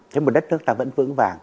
thế mà đất nước ta vẫn vững